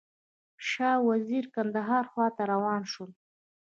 شاه او وزیر کندهار خواته روان شول.